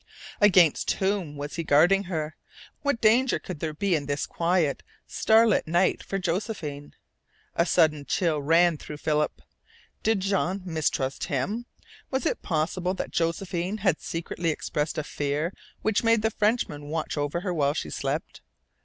Against whom was he guarding her? What danger could there be in this quiet, starlit night for Josephine? A sudden chill ran through Philip. Did Jean mistrust HIM? Was it possible that Josephine had secretly expressed a fear which made the Frenchman watch over her while she slept?